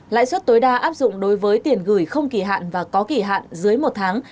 lãi suất tối đa áp dụng đối với tiền gửi không kỳ hạn và có kỳ hạn dưới một tháng